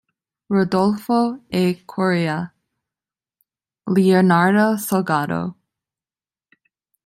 Rodolfo A. Coria, Leonardo Salgado.